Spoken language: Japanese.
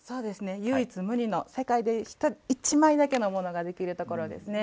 唯一無二の世界に１枚だけのものができるということですね。